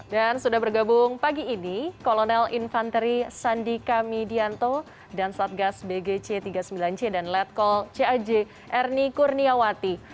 dan sudah bergabung pagi ini kolonel infanteri sandika midianto dan satgas bgc tiga puluh sembilan c dan letkol caj erni kurniawati